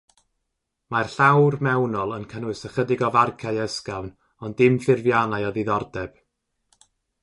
Mae'r llawr mewnol yn cynnwys ychydig o farciau ysgafn ond dim ffurfiannau o ddiddordeb.